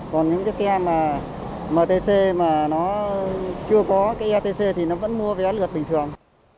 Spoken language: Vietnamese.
còn những cái xe mà mtc mà nó chưa có cái etc thì nó vẫn mua vé lượt bình thường